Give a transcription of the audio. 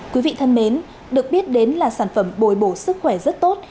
quý vị thân mến được biết đến là sản phẩm bồi bổ sức khỏe rất tốt